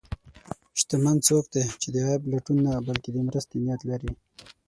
شتمن څوک دی چې د عیب لټون نه، بلکې د مرستې نیت لري.